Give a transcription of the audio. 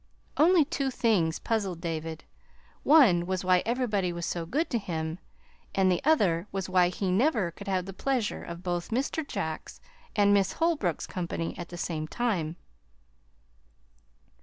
Only two things puzzled David: one was why everybody was so good to him; and the other was why he never could have the pleasure of both Mr. Jack's and Miss Holbrook's company at the same time.